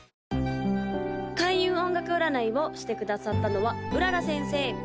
・開運音楽占いをしてくださったのは麗先生